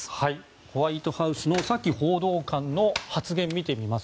ホワイトハウスのサキ報道官の発言を見てみます。